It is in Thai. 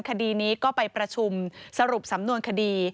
คดีนี้ก็ไปประชุมสรุปสำนวนคดี